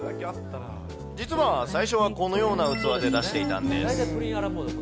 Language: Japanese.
実は最初はこのような器で出していたんです。